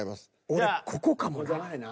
俺ここかもな。